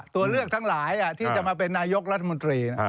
ตัวเลือกทั้งหลายที่จะมาเป็นนายกรัฐมนตรี